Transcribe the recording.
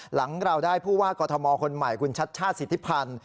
หลังเราได้ผู้ว่ากอทมคนใหม่คุณชัดชาติสิทธิพันธ์